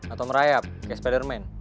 atau merayap kayak spiderman